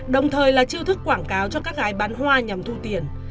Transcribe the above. đồng thời là chiêu thức quảng cáo cho các gái bán hoa nhằm thu tiền